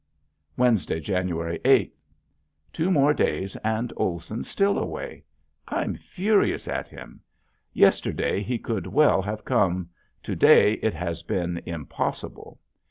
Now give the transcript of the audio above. Wednesday, January eighth. Two more days and Olson still away. I'm furious at him. Yesterday he could well have come, to day it has been impossible.